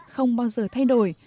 không bao giờ thay đổi